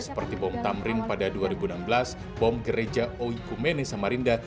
seperti bom tamrin pada dua ribu enam belas bom gereja oikumene samarinda